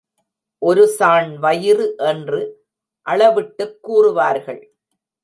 ஒரு சாண் வயிறு என்று அளவிட்டுக் கூறுவார்கள்.